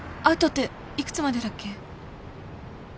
アウトっていくつまでだっけ？